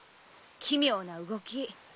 奇妙な動き。